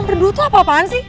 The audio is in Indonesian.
ngambil dulu tuh apa apaan sih